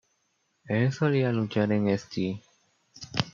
Él solía luchar en St.